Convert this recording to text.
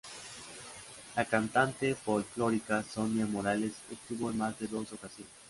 La cantante folklórica Sonia Morales estuvo en más de dos ocasiones.